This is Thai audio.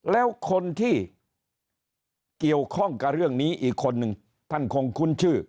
แล้วคนที่เกี่ยวข้องกับเรื่องนี้อีกคนนึงท่านคงคุ้นชื่อ